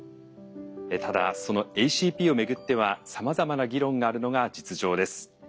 ただそのＡＣＰをめぐってはさまざまな議論があるのが実情です。